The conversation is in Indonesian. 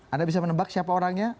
anda bisa menebak siapa orangnya